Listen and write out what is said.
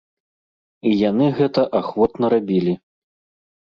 І яны гэта ахвотна рабілі.